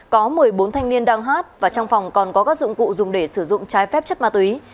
có một mươi bốn thanh niên đang hát và trong phòng còn có các dụng cụ dùng để sử dụng trái phép chất ma túy